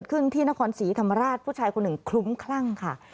ขึ้นที่นครศรีธรรมราชผู้ชายคนหนึ่งคลุ้มคลั่งค่ะ